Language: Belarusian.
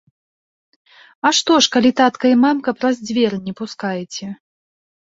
А што ж, калі татка і мамка праз дзверы не пускаеце.